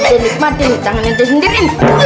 nih nikmatin tangan ente sendiri